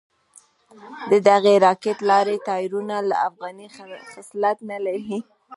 ددغې راکېټ لارۍ ټایرونه افغاني خصلت نه لري.